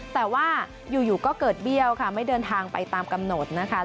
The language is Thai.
แต่ว่าอยู่ก็เกิดเบี้ยวค่ะไม่เดินทางไปตามกำหนดนะคะ